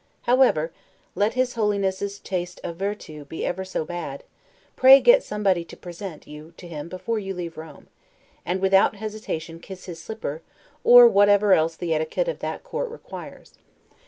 However, let his Holiness's taste of 'virtu' be ever so bad, pray get somebody to present you to him before you leave Rome; and without hesitation kiss his slipper, or whatever else the etiquette of that Court requires.